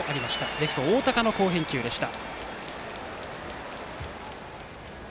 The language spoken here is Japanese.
レフト、大高の好返球でした。